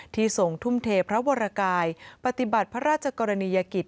ทรงทุ่มเทพระวรกายปฏิบัติพระราชกรณียกิจ